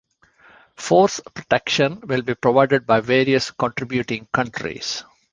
Force protection will be provided by various contributing countries.